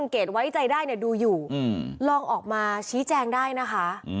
เกดติดต่อมาค่ะ